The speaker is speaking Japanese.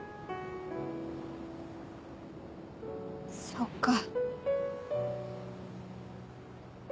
そっか。